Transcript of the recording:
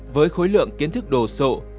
với khối lượng kiến thức đồ sộ